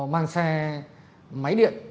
mang xe máy điện